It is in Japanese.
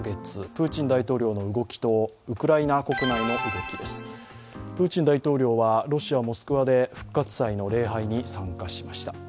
プーチン大統領はロシア・モスクワで復活祭の礼拝に参加しました。